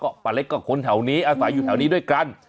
ป้าเล็กกับคนแถวนี้อาศัยอยู่แถวนี้ด้วยกัน